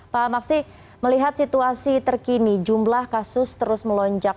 pak maksi melihat situasi terkini jumlah kasus terus melonjak